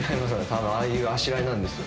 たぶんああいうあしらいなんですよ。